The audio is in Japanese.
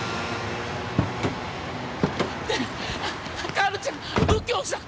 薫ちゃん！右京さん！